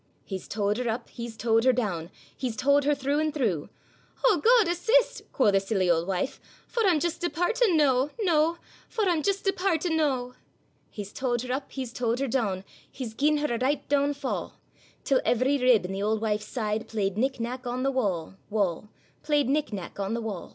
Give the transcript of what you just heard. He's towed her up, he's towed her down, He's towed her through an' through; 'O, Gude! assist,' quo' the silly auld wife, 'For I'm just departin' noo, noo; For I'm just departin' noo.' He's towed her up, he's towed her down, He's gien her a richt down fa', Till every rib i' the auld wife's side, Played nick nack on the wa', wa'; Played nick nack on the wa'.